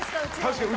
確かに。